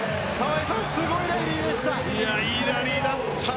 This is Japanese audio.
すごいラリーでした。